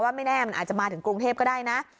ไม่แน่มันอาจจะมาถึงกรุงเทพก็ได้นะ